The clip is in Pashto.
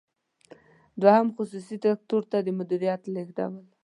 دوهم: خصوصي سکتور ته د مدیریت لیږدول.